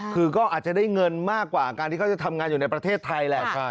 คือก็อาจจะได้เงินมากกว่าการที่เขาจะทำงานอยู่ในประเทศไทยแหละ